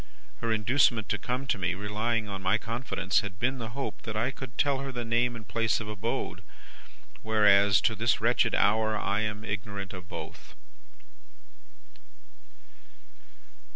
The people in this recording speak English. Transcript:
Her inducement to come to me, relying on my confidence, had been the hope that I could tell her the name and place of abode. Whereas, to this wretched hour I am ignorant of both.